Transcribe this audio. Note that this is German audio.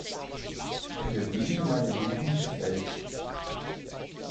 In der Blüte meiner Jugend gefällt.